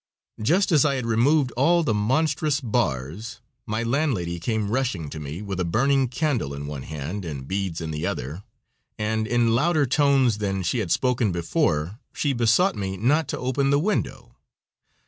Just as I had removed all the monstrous bars, my landlady came rushing to me, with a burning candle in one hand and beads in another, and in louder tones than she had spoken before she besought me not to open the window.